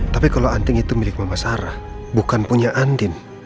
tapi kalau anting itu milik mama sarah bukan punya antin